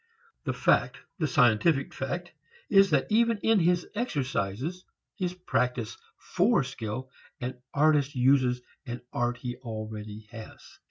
The fact, the scientific fact, is that even in his exercises, his practice for skill, an artist uses an art he already has.